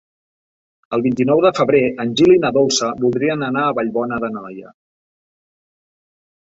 El vint-i-nou de febrer en Gil i na Dolça voldrien anar a Vallbona d'Anoia.